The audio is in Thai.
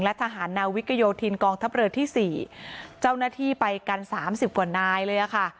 และทหารนาวิกโยธินกองทัพเรือที่สี่เจ้าหน้าที่ไปกันสามสิบกว่านายเลยค่ะ